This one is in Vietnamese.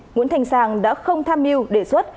nguyễn thanh sang đã không tham mưu đề xuất